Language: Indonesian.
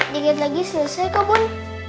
dingin lagi selesai kok bun